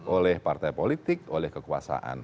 oleh partai politik oleh kekuasaan